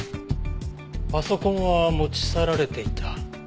パソコンは持ち去られていた。